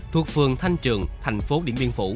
thuộc phường thanh trường thành phố điện biên phủ